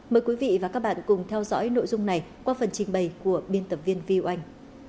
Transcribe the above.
mời quý vị và các bạn cùng theo dõi nội dung này qua phần trình bày của biên tập viên viu anh